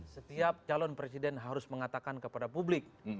setiap calon presiden harus mengatakan kepada publik